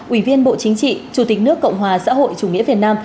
ủy viên bộ chính trị chủ tịch nước cộng hòa xã hội chủ nghĩa việt nam